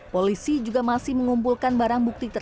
polisi juga masih mengumpulkan barang bukti